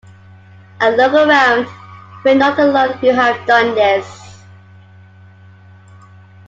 And look around, we are not alone who have done this.